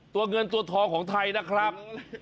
ตัวเงินตัวทองของไทยนะครับ